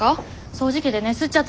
掃除機でね吸っちゃったの。